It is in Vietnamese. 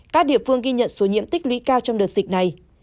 các địa phương ghi nhận số nhiễm tích lũy cao trong đợt dịch này